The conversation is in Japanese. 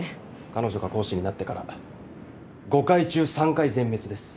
彼女が講師になってから５回中３回全滅です。